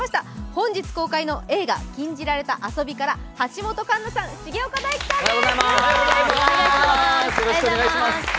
本日公開の映画「禁じられた遊び」から橋本環奈さん、重岡大毅さんです。